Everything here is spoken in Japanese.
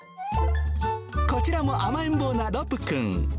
こちらも甘えん坊なロプくん。